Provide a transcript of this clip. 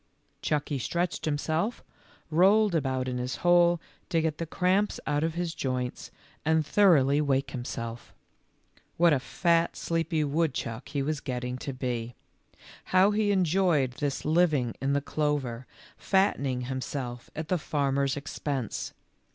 Chucky stretched himself, rolled about in his hole, to get the cramps out of his joints, and thoroughly wake himself. What a fat, sleepy woodchuck he was getting to be ! How he enjoyed this living in the clover, fattening himself at the farmer's expense